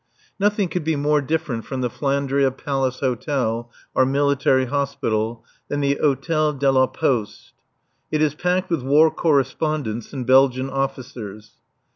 Nothing could be more different from the Flandria Palace Hotel, our Military Hospital, than the Hôtel de la Poste. It is packed with War Correspondents and Belgian officers.